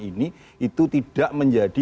ini itu tidak menjadi